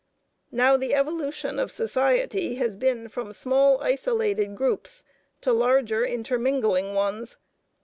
Now the evolution of society has been from small isolated groups to larger intermingling ones.